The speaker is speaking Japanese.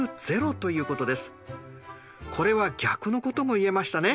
これは逆のことも言えましたね。